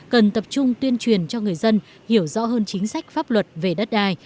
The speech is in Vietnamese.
cần tập trung tuyên truyền cho người dân hiểu rõ hơn chính sách pháp luật về đất đai